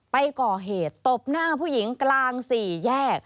ไปก่อเหตุตบหน้าผู้หญิงกลางสี่แยก